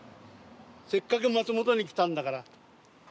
「せっかく松本に来たんだから」